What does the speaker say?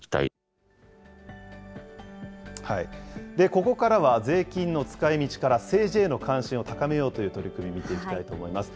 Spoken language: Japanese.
ここからは、税金の使いみちから政治への関心を高めようという取り組み、見ていきたいと思います。